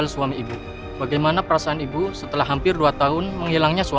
sampai jumpa di video selanjutnya